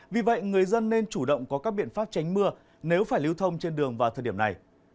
vì vậy người dân nên chủ động có các biện pháp tránh mưa nếu phải lưu thông trên đường vào thời điểm này